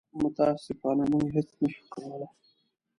متاسفانه موږ هېڅ نه شو کولی.